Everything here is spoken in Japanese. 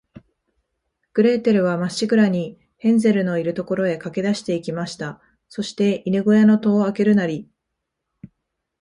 グレーテルは、まっしぐらに、ヘンゼルのいる所へかけだして行きました。そして、犬ごやの戸をあけるなり、